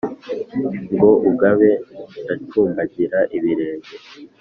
ngo ugabe, ndacumbagira ibirenge.